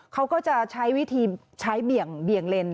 เขาก็จะใช้วิธีใช้เบี่ยงเลน